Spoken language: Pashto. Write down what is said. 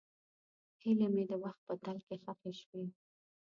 هیلې مې د وخت په تل کې ښخې شوې.